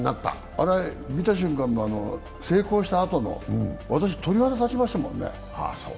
あれは見た瞬間は、成功したあとの私、鳥肌たちましたもんね。